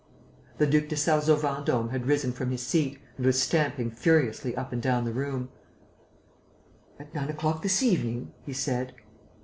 The Duc de Sarzeau Vendôme had risen from his seat and was stamping furiously up and down the room: "At nine o'clock this evening?" he said.